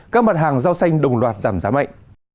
các mặt hàng rau xanh đồng loạt giảm giá mạnh